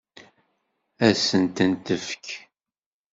Ad sent-tent-tefk?